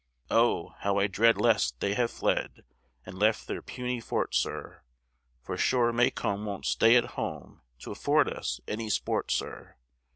"Oh! how I dread lest they have fled And left their puny fort, sir, For sure Macomb won't stay at home, T' afford us any sport, sir.